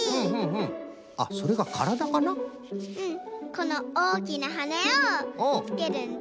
このおおきなはねをつけるんだ。